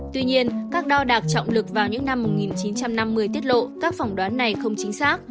tuy nhiên các đo đạc trọng lực vào những năm một nghìn chín trăm năm mươi tiết lộ các phỏng đoán này không chính xác